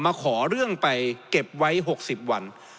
มาขอเรื่องไปเก็บไว้๖๐วัน